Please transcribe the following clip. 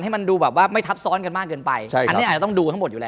ให้มันดูแบบว่าไม่ทับซ้อนกันมากเกินไปใช่อันนี้อาจจะต้องดูทั้งหมดอยู่แล้ว